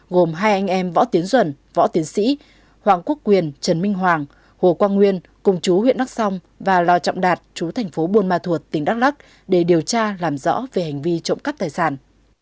gồm hai anh em võ tiến duẩn võ tiến sĩ hoàng quốc quyền trần minh hoàng hồ quang nguyên cùng chú huyện đắc song và lò trọng đạt chú thành phố buôn ma thuột tỉnh đắk lắc để điều tra làm rõ về hành vi trộm cắp tài sản